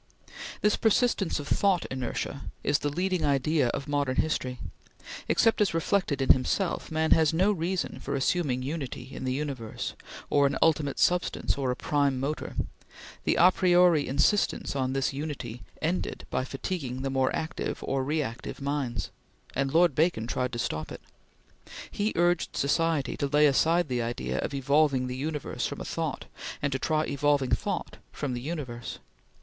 This persistence of thought inertia is the leading idea of modern history. Except as reflected in himself, man has no reason for assuming unity in the universe, or an ultimate substance, or a prime motor. The a priori insistence on this unity ended by fatiguing the more active or reactive minds; and Lord Bacon tried to stop it. He urged society to lay aside the idea of evolving the universe from a thought, and to try evolving thought from the universe.